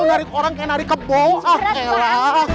nari orang kayak nari keboha